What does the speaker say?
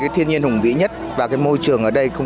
tiếng nói việt nam